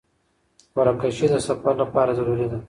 قرعه کشي د سفر لپاره ضروري ده.